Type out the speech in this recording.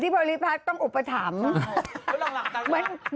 ที่โพลิพัสต้องอุปถัมศ์